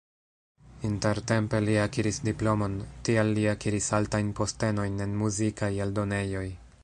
Intertempe li akiris diplomon, tial li akiris altajn postenojn en muzikaj eldonejoj.